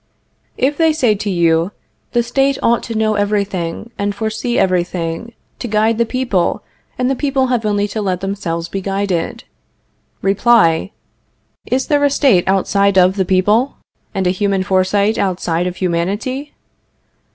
If they say to you: The State ought to know everything, and foresee everything, to guide the people, and the people have only to let themselves be guided Reply: Is there a State outside of the people, and a human foresight outside of humanity?